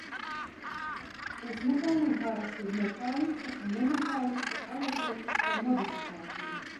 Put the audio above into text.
Pusmetāliem parasti ir metāliska un nemetāliska alotropiskā modifikācija.